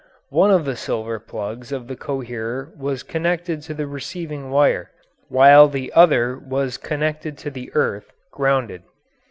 One of the silver plugs of the coherer was connected to the receiving wire, while the other was connected to the earth (grounded).